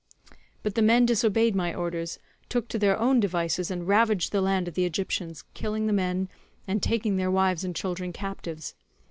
"But the men disobeyed my orders, took to their own devices, and ravaged the land of the Egyptians, killing the men, and taking their wives and children captives.